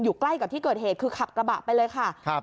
ใกล้กับที่เกิดเหตุคือขับกระบะไปเลยค่ะครับ